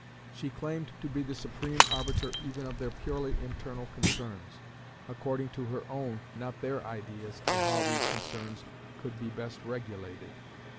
She claimed to be the supreme arbiter even of their purely internal concerns, according to her own, not their ideas of how those concerns could be best regulated.